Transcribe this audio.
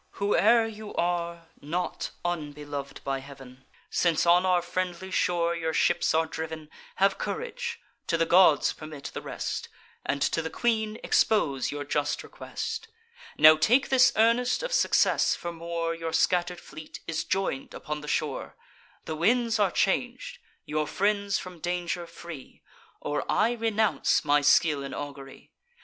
"Whoe'er you are, not unbelov'd by Heav'n, Since on our friendly shore your ships are driv'n: Have courage: to the gods permit the rest, And to the queen expose your just request. Now take this earnest of success, for more: Your scatter'd fleet is join'd upon the shore; The winds are chang'd, your friends from danger free; Or I renounce my skill in augury.